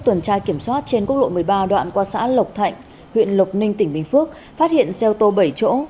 tuần tra kiểm soát trên quốc lộ một mươi ba đoạn qua xã lộc thạnh huyện lộc ninh tỉnh bình phước phát hiện xe ô tô bảy chỗ